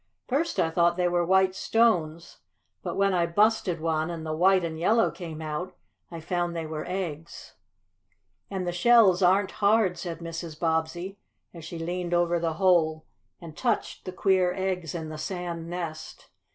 First I thought they were white stones, but when I busted one, and the white and yellow came out, I found they were eggs." "And the shells aren't hard," said Mrs. Bobbsey, as she leaned over the hole and touched the queer eggs in the sand nest.